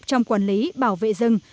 trong quản lý bảo vệ rừng